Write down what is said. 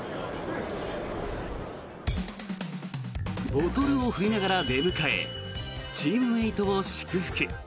ボトルを振りながら出迎えチームメートを祝福。